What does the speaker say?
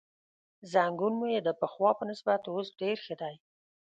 زنګون مې د پخوا په نسبت اوس ډېر ښه دی.